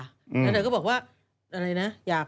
แล้วเธอก็บอกว่า